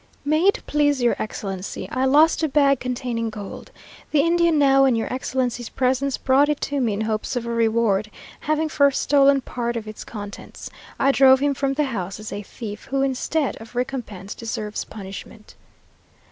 "May it please your Excellency, I lost a bag containing gold. The Indian, now in your Excellency's presence, brought it to me in hopes of a reward, having first stolen part of its contents. I drove him from the house as a thief, who, instead of recompense, deserves punishment."